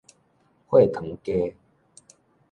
血糖低